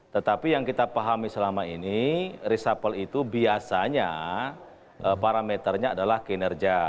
tetapi yang kita pahami selama ini reshuffle itu biasanya parameternya adalah kinerja